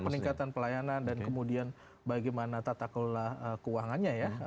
peningkatan pelayanan dan kemudian bagaimana tata kelola keuangannya ya